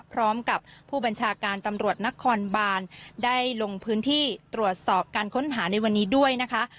พร้อมกับผู้บัญชาการตำรวจนครบานได้ลงพื้นที่ตรวจสอบการค้นหาในวันนี้ด้วยนะคะ